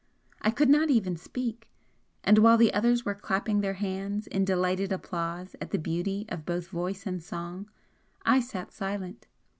I could not even speak; and while the others were clapping their hands in delighted applause at the beauty of both voice and song, I sat silent.